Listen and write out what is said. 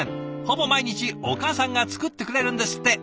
ほぼ毎日お母さんが作ってくれるんですって。